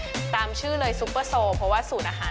เอาล่ะเดินทางมาถึงในช่วงไฮไลท์ของตลอดกินในวันนี้แล้วนะครับ